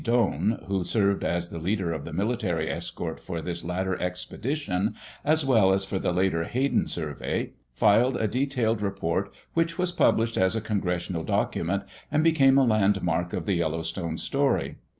Doane, who served as the leader of the military escort for this latter expedition as well as for the later Hayden Survey, filed a detailed report which was published as a Congressional document and became a landmark of the Yellowstone story.